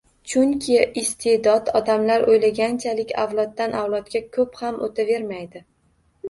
Chunki, isteʼdod odamlar o‘ylaganchalik avloddan-avlodga ko‘p ham o‘tavermaydi.